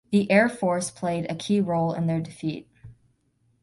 The air force played a key role in their defeat.